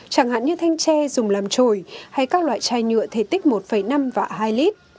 chẳng hạn như thanh tre dùng làm trội hay các loại chai nhựa thể tích một năm và hai lit